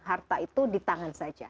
harta itu di tangan saja